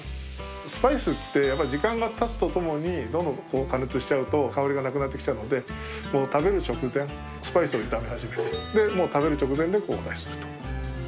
スパイスってやっぱり時間がたつとともにどんどん加熱しちゃうと香りがなくなってきちゃうので食べる直前スパイスを炒め始めてもう食べる直前でお出しすると。